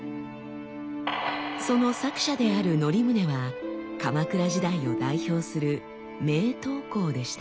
その作者である則宗は鎌倉時代を代表する名刀工でした。